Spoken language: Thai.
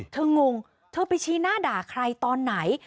งงเธอไปชี้หน้าด่าใครตอนไหน